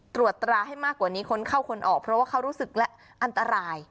ตรวจตราให้มากกว่านี้คนเข้าคนออกเพราะว่าเขารู้สึกและอันตราย